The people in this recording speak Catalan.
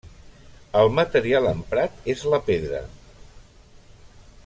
El material emprat és la pedra.